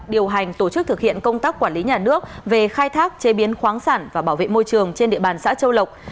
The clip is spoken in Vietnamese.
điều hành tổ chức thực hiện công tác quản lý nhà nước về khai thác chế biến khoáng sản và bảo vệ môi trường trên địa bàn xã châu lộc